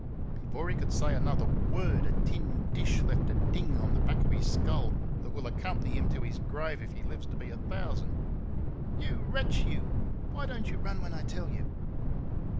Before he could say another word a tin dish left a dinge on the back of his skull that will accompany him to his grave if he lives to be a thousand. "You wretch, you! Why don't you run when I tell you?"